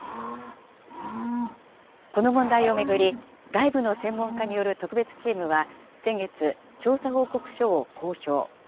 この問題を巡り、外部の専門家による特別チームは、先月、調査報告書を公表。